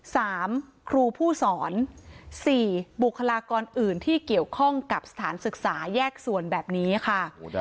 ครูผู้สอนสี่บุคลากรอื่นที่เกี่ยวข้องกับสถานศึกษาแยกส่วนแบบนี้ค่ะ